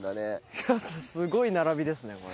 すごい並びですねこれ。